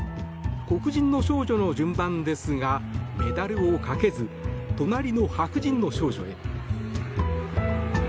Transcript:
黒人の少女の順番ですがメダルをかけず隣の白人の少女へ。